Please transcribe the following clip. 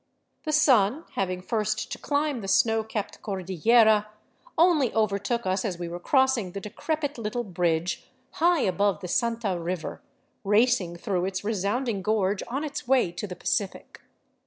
The sun, having first to climb the snow capped Cordillera, only overtook us as we were crossing the decrepit little bridge high above the Santa river, racing through its resounding gorge on its way to the Pacific.